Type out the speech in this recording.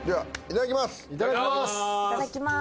いただきます。